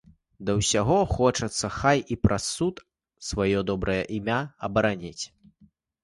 Да ўсяго, хочацца хай і праз суд сваё добрае імя абараніць.